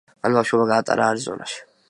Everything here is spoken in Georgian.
მან ბავშვობა გაატარა არიზონაში.